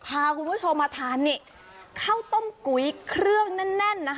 พาคุณผู้ชมมาทานข้าวต้มกุ้ยเครื่องแน่น